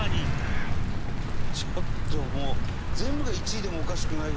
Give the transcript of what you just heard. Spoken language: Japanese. ちょっともう。